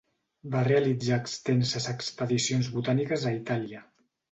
Va realitzar extenses expedicions botàniques a Itàlia.